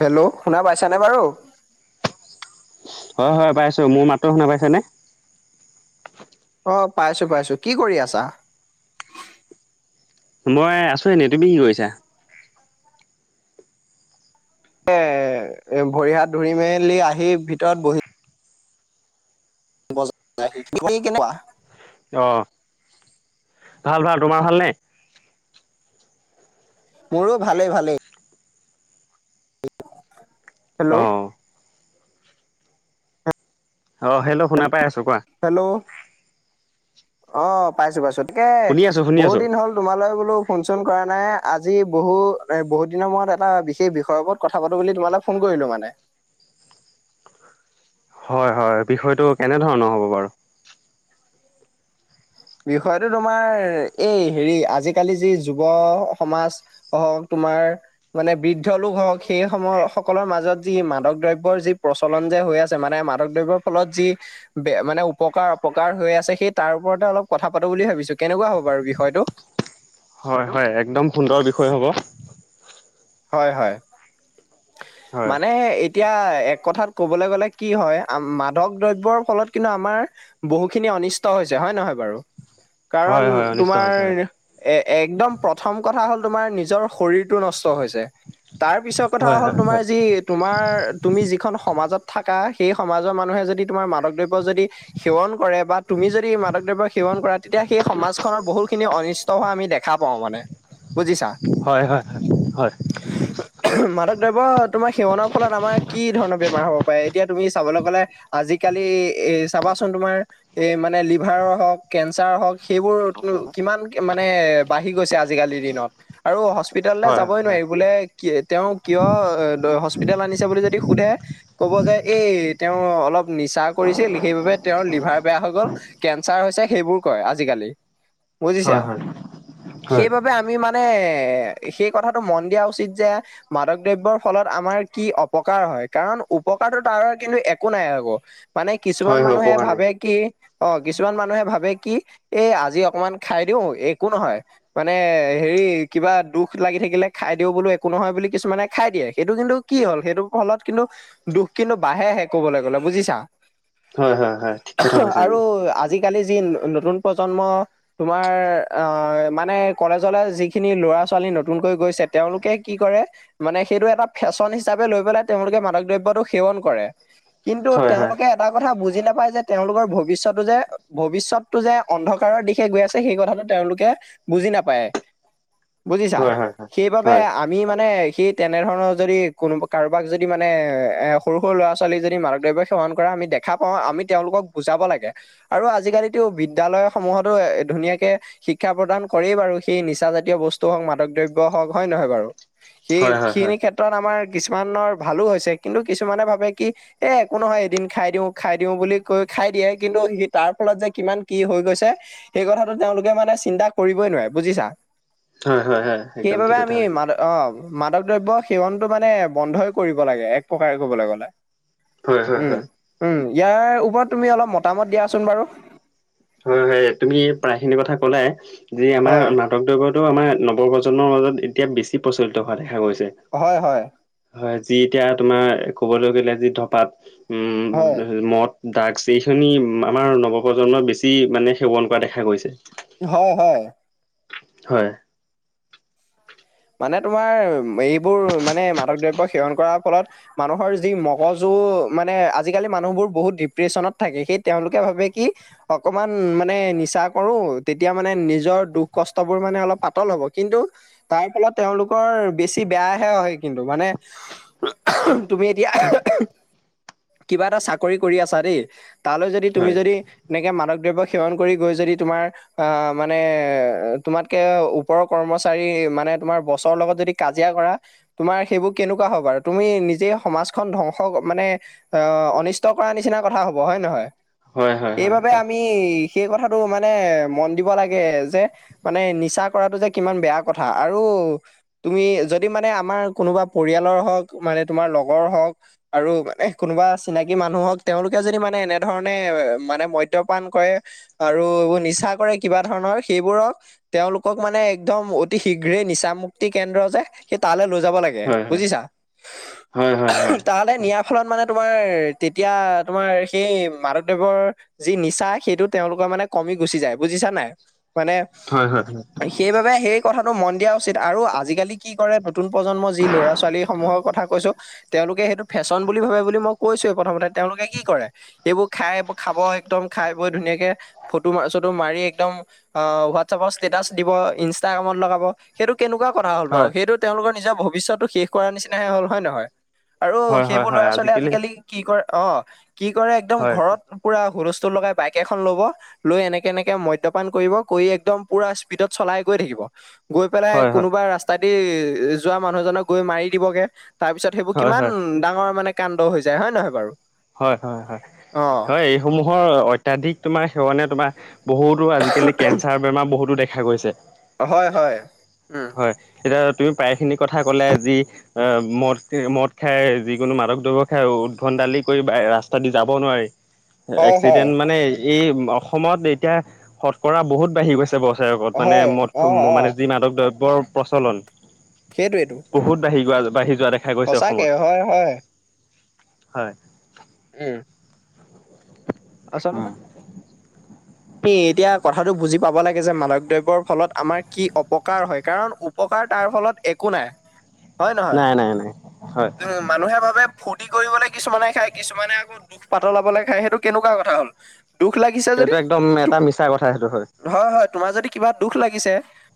Hello শুনা পাইছানে বাৰু? হয় হয় পাইছোঁ মোৰ মাতো শুনা পাইছেনে? আহ পাইছো পাইছো, কি কৰি আছা? মই আছো এনে তুমি কি কৰিছা? এ এ ভৰি হাত ধুৰি মেলি আহি ভিতৰত বহি [unintelligible] কেনেকুৱা অঁ ভাল ভাল তোমাৰ ভালনে? মোৰো ভালে ভালেই। [unintelligible] আহ অ হেল্লো শুনা পাই আছ হেল্ল' অ পাইছো পাইছোঁ। তাকে শুনি আছো শুনি বহুত আছো দিন হ'ল তোমালৈ বোলো ফোন চোন কৰা নাই আজি বহু এ বহুত দিনৰ মূৰত এটা বিশেষ বিষয়ৰ ওপৰত কথা পাতো বুলি তোমালে ফোন কৰিলো মানে [inaudible] হয় হয় বিষয়টো কেনেধৰণৰ হব বাৰু বিষয়টো তোমাৰ এই হেৰি আজিকালি যি যুৱ সমাজ স তোমাৰ মানে বৃদ্ধ লোক হওক সেই সম সকলৰ মাজত যি মাদক দ্ৰবৰ যি প্ৰচলন যে হৈ আছে মানে মাদক দ্ৰব্যৰ ফলত যি মানে উপকাৰ অপকাৰ হৈ আছে সেই তাৰ ওপৰতে অলপ কথা পাতো বুলি ভাবিছো। কেনেকুৱা হ'ব বাৰু বিষয়টো? হয় হয় একদম সুন্দৰ বিষয় হ'ব। হয় হয় হয় মানে এতিয়া এক কথাত ক'বলৈ গ'লে কি হয় আ মাধক দ্ৰব্যৰ ফলত কিন্তু আমাৰ বহুখিনি অনষ্ট হৈছে হয় নে নহয় বাৰু কাৰণ হয় হয় অনিষ্ট তোমাৰ হৈছে হয়। এ একদম প্ৰথম কথা হ'ল তোমাৰ নিজৰ শৰীৰটো নষ্ট হৈছে তাৰ- পিছৰ কথা হয় হ'ল হয় তোমাৰ যি তোমাৰ তুমি যিখন সমাজত থকা সেই সমাজৰ মানুহে যদি তোমাৰ মাদক দ্ৰব্য যদি সেৱন কৰে বা তুমি যদি মাদক দ্ৰব্য সেৱন কৰা তেতিয়া সেই সমাজখননৰ বহুতখিনি অনিষ্ট হোৱা আমি দেখা পাওঁ মানে বুজিছা। হয় হয়। ড্য তোমাৰ সেৱনৰ ফলত আমাৰ কি ধৰণৰ বেমাৰ হ'ব পাৰে। এতিয়া তুমি চাবলৈ গ'লে আজিকালি এ চাবাচোন তুমাৰ এ মানে লিভাৰৰ হওঁক কেঞ্চাৰ হওক সেইবোৰ কিমান মানে বাঢ়ি গৈছে আজিকালিৰ দিনত আৰু সঁচ হস্পিতেেললৈ হয় হয় হয় হয় যাবই নোৱাৰি বোলে কি তেওঁ কিয় হস্পিতেল আনিছে বুলি যদি সোধে কব যে এই তেওঁ অলপ নিচা কৰি ছিল সেইবাবে তেওঁৰ লিভাৰ বেয়া হৈ গল কেঞ্চাৰ হৈছে সেইবোৰ কয় আজিকালি। বুজিছা হয় হয় সেইবাবে আমি মানে এ সেই কথাটো মন দিয়া উচিত যে মাদক দ্ৰব্যৰ ফলত আমাৰ কি অপকাৰ হয় কাৰণ উপকাৰটো তাৰ কিন্তু একো নাই আকৌ মানে কিছুমান হয় হয়, মানুহে উপকাৰ নাই ভাবে কি অ কিছুমান মানুহে ভাবে কি এই আজি অকমান খাই দিও একো নহয় মানে হেৰি কিবা দুখ লাগি থাকিলে খাই দিওঁ বোলো একো নহয় বুলি কিছুমানে খাই দিয়ে সেইটো কিন্তু কি হল সেইটো ফলত কিন্তু দুখ কিন্তু বাঢ়েহে কবলৈ গলে বুজিছা হয় হয় হয় ঠিক কথা কৈছা আৰু তুমি আজিকালি যি নতুন প্ৰজন্ম তোমাৰ অ মানে কলেজলে যিখিনি লৰা ছোৱালী নতুনকৈ গৈছে তেওঁলোকে কি কৰে মানে সেইটো এটা ফেশ্বন হিচাপে লৈ পেলাই তেওঁলোকে মাদক দ্ৰব্যটো সেৱন কৰে কিন্তু হয় হয় তেওঁলোকে এটা কথা বুজি বুজি নাপায় যে তেওঁলোকৰ ভৱিষ্যতটো যে ভৱিষ্যতটো যে অন্ধকাৰৰ দিশে গৈ আছে সেই কথাটো তেওঁলোকে বুজি নাপায় বুজিছা হয় হয় হয় সেইবাবে হয় আমি মানে সেই তেনেধৰণৰ যদি কোনো কাৰোবাক যদি মানে সৰু সৰু ল'ৰা ছোৱালীক যদি মাদক দ্ৰব্য সেৱন কৰা আমি দেখা পাওঁ আমি তেওঁলোকক বুজাব লাগে আৰু আজিকালিতো বিদ্যালয় সমূহতো এ ধুনীয়াকে শিক্ষা প্ৰদান কৰেই বাৰু সেই নিচা জাতীয় বস্তু হওক মাদক দ্ৰব্য হওক হয় নহয় বাৰু সেই হয় হয় হয় খিনি ক্ষেত্ৰত আমাৰ কিছুমানৰ ভালো হৈছে কিন্তু কিছুমানে ভাবে কি এ একো নহয় এদিন খাই দিওঁ খাই দিওঁ বুলি কৈ খাই দিয়ে কিন্তু সি তাৰ ফলত যে কিমান কি হৈ গৈছে সেই কথাটো তেওঁলোকে মানে চিন্তা কৰিবই নোৱাৰে বুজিছা হয় হয় হয় হয় একদম ঠিক সেইবাবে কথা আমি হয় মান অ মাদক দ্ৰব্য সেৱনতটো মানে বন্ধই কৰিব লাগে এক প্ৰকাৰে কবলৈ গ'লে হয় হয় উম হয় উম ইয়াৰ ওপৰত তুমি অলপ মতামত দিয়াচোন বাৰু হয় হয় তুমি প্ৰায়খিনি কথা ক'লাই যে আমাৰ হয় মাদক দ্ৰবিওত টো আমাৰ নৱপ্ৰজন্মৰ মাজত এতিয়া বেছি প্ৰচলিত হোৱা দেখা গৈছে হয় হয় হয় যি এতিয়া তোমাৰ ক'বলৈ গ'লে যি ধপাত হয় মদ ড্ৰাগছ এইখিনি আমাৰ নৱপ্ৰজন্মৰ বেছি মানে সেৱন কৰা দেখা গৈছে হয় হয় হয় মানে তোমাৰ এইবোৰ মানে মাদক দ্ৰব্য সেৱন কৰাৰ ফলত মানুহৰ যি মগজু কো মানে আজি মানুহবোৰ বহুত সেই তেওলোকে ভাবে কি অকমান মা ম নিচা কৰো তেতিয়া মানে নিজৰ দুখ কষ্ট বোৰ মানে অলপ পাতল হব কিন্তু তাৰ ফলত তেওঁলোকৰ বেছি বেয়াহে হয় কিন্তু মানে তুমি এতিয়া কিবা এটা চাকৰি কৰি আছা দেই তালৈ যদি তুমি হয় যদি এনেকে মানক দ্ৰৱ্য সেৱন কৰি গৈ য তোমাৰ মানে তোমাতকে উপৰিও কৰ্মচাৰী মানে তোমাৰ বছৰ লগত যদি কাজিয়া কৰা তোমাৰ সেইবোৰ কেনেকুৱা হ তুমি নিজে সমাজখন ধংস মানে অ অনিষ্ট কৰা নিচিনা কথা হ'ব হয় নহয় হয় হয় হয় এইবাবে আমি সেই কথাটো মানে মন দিব লাগে যে মানে নিচা কৰাতটো যে কিমান বেয়া কথা আৰু তুমি যদি মানে আমাৰ কোনোবা পৰিয়ালৰ হওক মানে তোমাৰ লগৰ হওক আৰু মানে কোনোবা চিনাকি মানুহ হওক তেওঁলোকে যদি মানে এনেধৰণে মানে মদ্যয়পান কৰে আৰু এইবোৰ নিচা কৰে কিবা ধৰণৰ সেইবোৰক তেওঁলোকক মানে একদম শীঘ্ৰেই নিচাম মুুক্তি কেন্দ্ৰ যে সি তালৈ লৈ যাব লাগে হয় হয় বুজিছা হয় হয় হয় হয় তাহাতে নিয়াৰ ফলত মানে তোমাৰ তেতিয়া তোমাৰ সেই মাদক দ্ৰৱৰ যি নিচা সেইটো তেওঁলোকৰ মানে কমি গুচি যায় বুজিছা নাই মানে হয় হয় হয় সেইবাবে সেই কথাটো মন দিয়া উচিত আৰু আজিকালি কি কৰে নতুন প্ৰজন্মৰ যি ল'ৰা ছোৱালী সমূহৰ কথা কৈছো তেওঁ তেওঁলোকে সেইটো ফেশ্বন বুলি ভাবে বুলি মই কৈছোৱে প্ৰথমতে তেওঁলোকে কি কৰে এইবোৰ খাই খাব একদম খা খাই বই ধুনীয়াকে ফটো চটো মাৰি একদম হোৱাটছএপ ৰ ষ্টেটাছ দিব ইন্স কামত লগাব সেইটো কেনেকুৱা কথা হ'ল বাৰু হয় সেইটো তেওঁলোকৰ নিজৰ ভৱিষ্যতটো শেষ কৰাৰ নিচিনাহে হ'ল হয় নহয় আৰু হয় হয় সেইবোৰ হয় ল'ৰা ছোৱালীয়ে আজিকালি কি কৰা অ কি কৰে একদম হয় ঘৰত পুৰা হুলস্থ [unintelligible] এ লব লৈ এনেকে এনেকে ম্ধ্য পাণ কৰিব কৰি একদম ইউপিএ চলাই গৈ থাকিব গৈ পেলাই হয় হয় কোনোবা ৰাস্তা দি যোৱা মানুহজনক গৈ মাৰি দিবগে তাৰ পিছত সেইবোৰ হয় হয় কিমান হয় ডাঙৰ মানে কাণ্ড হৈ যায় হয়ে নহয় বাৰু হয় -হয় অ' হয়-হয় এইসমূহৰ অত্যাধিক তোমাৰ সেৱনে তোমাৰ বহুতো আজিকালি কেঞ্চাৰ বেমাৰ বহুতো দেখা গৈছে। হয় হয় উম। হয় এতিয়া তুমি প্ৰায়খিনি কথা ক'লে যি মদ -মদ খাই যিকোনো মাদকদ্ৰৱ্য খাই উদ্ভন দালি কৰি ৰাস্তা দি যাব নোৱাৰি হয় হয় এক্সিডেণ্ট মানে এই অসমত এতিয়া শতকৰা বহুত বাঢ়ি গৈছে বচেইকত মানে হয় অ' মদ অ' মানে যি মাদক দ্ৰব্যৰ প্ৰচলন সেইটোৱেইটো বহুত বাঢ়িযোৱা বাঢ়ি যোৱা দেখা গৈছে সঁচাকে অসমত হয় হয় হয় উম আচলতে। সে এতিয়া কথাটো বুজি পাব লাগে যে মালক দ্ৰব্যৰ ফলত আমাৰ কি অপকাৰ হয় কাৰণ উপকাৰ উপকাৰ তাৰ ফলত একো নাই হয় নহয় নাই নাই নাই হয় মানুহে ভাবে ফূৰ্তি কৰিবলৈ কিছুমানে খায় কিছুমানে আকৌ দুখ পাতলাবলৈ খায় সেইটো কেনেকুৱা কথা হ'ল। দুখ লাগিছে যদি সেইটো একদম এটা মিছা কথা সেইটো হয় পোৰা দুখ লাগিছে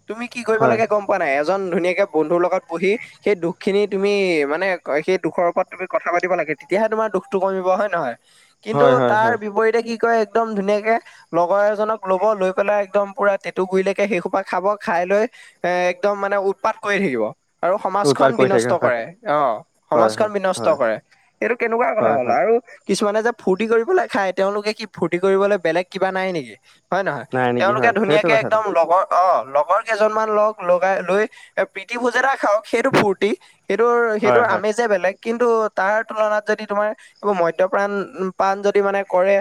তুমি কি কৰিব হয় লাগে গম পোৱা নে নাই এজন ধুনীয়াকে বন্ধুৰ লগত বহি সেই দুখখিনি তুমি মানে সেই দুখৰ ওপৰত তুমি কথা পাতিব লাগে তেয়া তেতিয়াহে তোমাৰ দুখটো কমিব হয়- নহয় কিন্তু হয় হয় হয়। তাৰ বিপৰীতে কি কৰে একদম ধুনীয়াকে লগৰ এজনক ল'ব, লৈ পেলাই একদম পুৰা টেটু গুৰিলেকে সেইসোপা খাব, খাই লৈ এ একদম মানে মানে উৎপাত কৰি থাকিব আৰু সমাজখন উৎপাত কৰি থাকে বিনষ্ট হয় কৰে অ হয় সমাজখন হয় বিনষ্ট হয় কৰে এইটো কেনেকুৱা কথা হয় হ'ল হয় আৰু কিছুমানে যে ফুৰ্তি কৰিবলে খায় তেওঁলোকে কি ফুৰ্তি কৰিবলে বেলেগ কিবা নাই নেকি? হয় নহয় নাই নেকি তেওঁলোকে হয় সেইটো ধুনীয়াকে কথাটো একদম লগৰ- অ লগৰ কেইজনমান লগ লগাই লৈ এ প্ৰীতি ভোজ এটা খাওক সেইটো ফুৰ্তি সেইটোৰ হয় সেইটোৰ হয় আমেজে বেলেগ কিন্তু তাৰ তুলনাত যদি তোমাৰ এইবোৰ মদ্যপ্ৰাণ পাণ যদি মানে কৰে,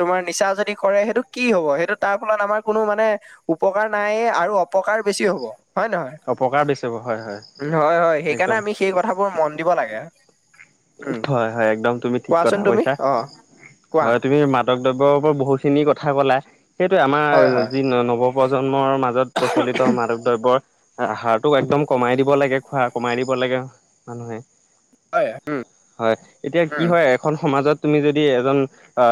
তোমাৰ নিচা যদি কৰে সেইটো কি হ'ব সেইটো তাৰ ফলত আমাৰ কোনো মানে উপকাৰ নাইয়ে আৰু অপকাৰ বেছি হ'ব হয় নহয়। অপকাৰ বেছি হ'ব হয় হয় হয় হয় সেইকাৰণে একদম আমি সেই কথাবোৰ মন দিব লাগে উম হয় হয় একদম তুমি ঠিক কোৱাচোন কথা তুমি কৈছা অ কোৱা হয় তুমি মাদক দ্ৰব্যৰ ওপৰত বহু খিনি কথা কথা ক'লা সেইটোৱে আমাৰ হয় হয় যি ন নৱপ্ৰজন্মৰ মাজত প্ৰচলিত মাদক দ্ৰব্যৰ আহাৰটো একদম কমাই দিব লাগে খোৱা কমাই দিব লাগে মানুহে হয় উম হয় এতিয়া কি উম হয় এখন সমাজত তুমি যদি এজন আ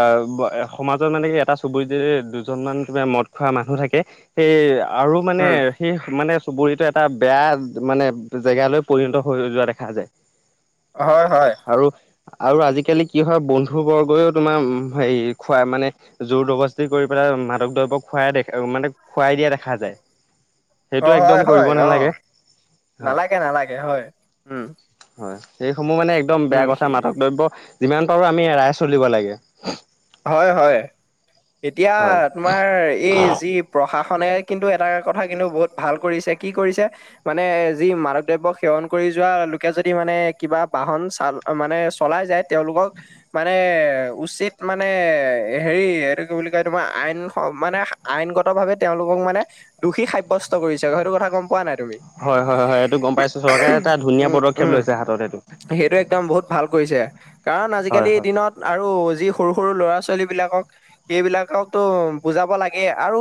সমাজত মানে কি এটা চুবুৰী যদি দুজন মান তোমাৰ মদ খোৱা মানুহ থাকে সেই আৰু মানে উম সেই মানে চুবুৰীটো এটা বেয়া মানে জেগালৈ পৰিণত হৈ যোৱা দেখা যায় হয় হয় আৰু আৰু আজিকালি কি হয় বন্ধু বৰ্গও তোমাৰ হেৰী খোৱাই মানে জোৰদবস্তি কৰি পেলাই মাদক দ্ৰব্য খুৱাই দেখা মানে খুৱাই দিয়া দেখা যায় [inaudible] সেইটো অ একদম হয় কৰিব হয় অ নালাগে হয় নালাগে -নালাগে হয় উম সমূহ মানে একদম উম বেয়া কথা সি- মাদক দ্ৰব্য যিমান পাৰোঁ আমি এৰাই চলিব লাগে। হয় হয় এতিয়া হয় তোমাৰ এই যি প্ৰশাস- ণে কিন্তু এটা কথা কিন্তু বহুত ভাল কৰিছে কি কৰিছে মানে যি মাদক দ্ৰৱ্যক সেৱন কৰি। যোৱা লোকে যদি মানে কিবা বাহন চা মানে চলাই যায় তেওঁলোকক মানে উচিত- মানে হেৰী এইটো কি বুলি কয় তোমাৰ আইন মানে আইনগতভাৱে তেওঁলোকক মানে দোষী সাব্যস্ত কৰিছে সেইটো কথা গম পোৱা নাই। হয় হয় হয় এইটো গম পাইছো চৰকাৰে হোম এটা ধুনীয়া উমহ, উম পদক্ষেপ উম লৈছে হাতত এইটো সেইটো একদম বহুত ভাল কৰিছে কাৰণ হয় আজিকালি হয় দিনত আৰু- যি সৰু সৰু ল'ৰা ছোৱালী বিলাকক সেইবিলাকক টো বুজাব লাগে আৰু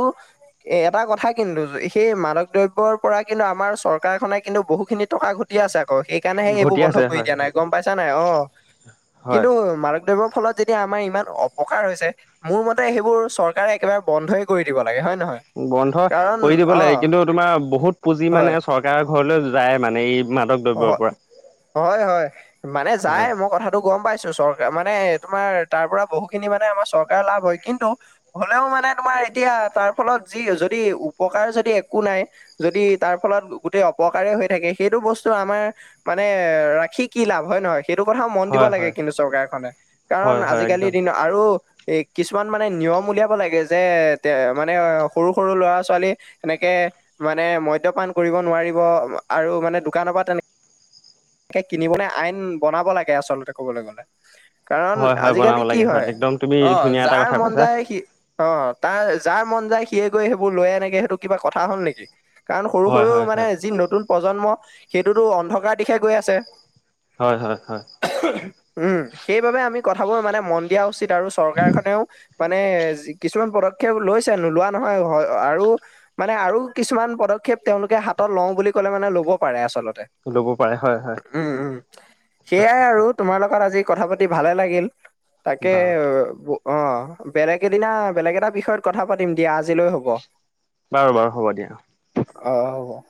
এটা ক- কথা কিন্তু সেই মাদক দ্ৰব্যৰ পৰা কিন্তু আমাৰ চৰকাৰখনে কিন্তু বহুখিনি টকা ঘটি আছে। আ অ সেইকাৰণেহে এইবোৰ ঘটি বন্ধ আছে কৰি হয় দিয়া নাই হয় গম পাইছা নাই অ হয় কিন্তু মা- দ্ৰব্যৰ ফলত যেতিয়া আমাৰ ইমান অপকাৰ হৈছে মোৰ মতে সেইবোৰ চৰকাৰে একেবাৰে বন্ধই কৰি দিব। লাগে হয় নহয় বন্ধ কাৰণ কৰি দিব অ লাগে। কিন্তু তোমাৰ বহুত পুঁজি হয় মানে চৰকাৰ- ঘৰলেও যায় মানে এই মাদক হয় দ্ৰব্যৰ পৰা- হয় হয় মানে যায় হয় মই কথাটো গম পাইছোঁ চৰকাৰ মানে তোমাৰ- তাৰ পৰা বহুখিনি মানে আমাৰ চৰকাৰ লাভ হয়। কিন্তু হ'লেও মানে তোমাৰ এতিয়া তাৰ ফলত- যি য যদি উপকাৰ যদি একো নাই যদি তাৰ ফলত গোটেই অপকাৰে হৈ থাকে সেইটো বস্তু- আমাৰ মানে ৰাখি কি লাভ হয় নহয়। সেইটো কথাও মন দিব হয় লাগে হয় কিন্তু চৰকাৰখনে। কাৰণ হয় হয় আজিকালিৰ একদম দিনত আৰু- এই কিছুমান মানে নিয়ম উলিয়াব লাগে যে তে মানে সৰু সৰু ল'ৰা ছোৱালী এনেকে- মানে মদ্যপান কৰিব নোৱাৰিব আৰু মানে দোকানৰ পা তেনেকে কিনিবলে আইন বনাব লাগে আচলতে ক'বলে গ'লে- কাৰণ হয় হয় বনাব আজিকালি কি লাগে হয় একদম তুমি অ ধুনীয়া এটা যাৰ কথা মন কৈছা যায় সি অ তাৰ যাৰ। মন যায় সিয়ে গৈ সেইবোৰ লৈ আনেগে সেইটো কিবা কথা হ'ল নেকি- কাৰণ সৰু হয় সৰু হয় মানে হয় যি নতুন প্ৰজন্ম সেইটোতো অন্ধকাৰ দিশে গৈ আছে। হয় হয় হয়। উম সেইবাবে আমি কথাবোৰ মানে মন দিয়া উচিত আৰু চৰকাৰখনেও মানে কিছুমান পদক্ষেপ লৈছে নোলোৱা নহয় আৰু মানে আৰু কিছুমান প পদক্ষপ তেওঁলোকে হাতত লওঁ বুলি ক'লে মানে ল'ব পাৰে আ ল'ব পাৰে হয় হয় উম উম কথা সেইয়াই কৈছা আৰু তোমাৰ লগত আজি কথা পাতি ভালে লাগিল তাকে বাৰু অঁ বেলেগ এদিনা বেলেগ এটা বিষয়ত কথা পাতিম দিয়া আজিলৈ হব বাৰু বাৰু হ'ব দিয়া- আহঁ হব হব-